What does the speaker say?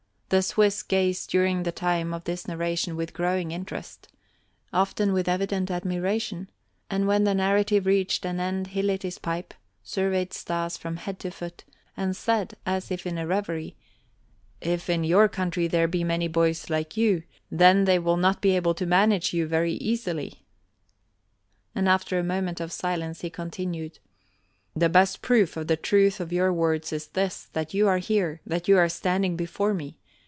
The Swiss gazed during the time of this narration with growing interest, often with evident admiration, and when the narrative reached an end he lit his pipe, surveyed Stas from head to foot, and said as if in a reverie: "If in your country there are many boys like you, then they will not be able to manage you very easily." And after a moment of silence he continued: "The best proof of the truth of your words is this, that you are here, that you are standing before me.